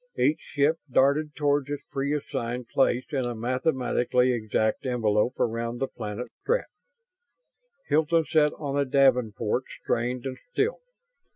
Each ship darted toward its pre assigned place in a mathematically exact envelope around the planet Strett. Hilton sat on a davenport strained and still.